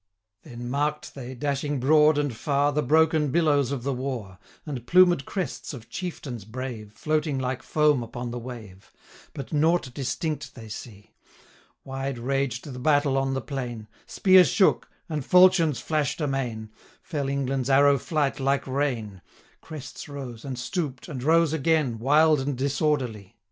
Then mark'd they, dashing broad and far, The broken billows of the war, And plumed crests of chieftains brave, 780 Floating like foam upon the wave; But nought distinct they see: Wide raged the battle on the plain; Spears shook, and falchions flash'd amain; Fell England's arrow flight like rain; 785 Crests rose, and stoop'd, and rose again, Wild and disorderly.